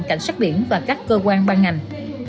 cảnh sát biển và các cơ quan ban ngành